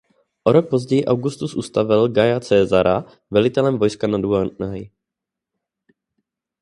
O rok později Augustus ustavil Gaia Caesara velitelem vojska na Dunaji.